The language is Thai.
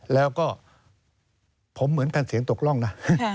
แล้วก็ผมเหมือนกันเสียงตกร่องนะ